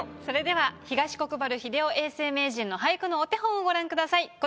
それでは東国原英夫永世名人の俳句のお手本をご覧ください。